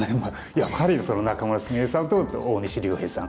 やっぱり仲邑菫さんと大西竜平さん。